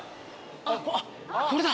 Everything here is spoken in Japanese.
あっこれだ。